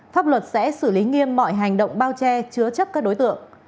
pháp luật sẽ xử lý nghiêm mọi hành động bao che chứa chấp các đối tượng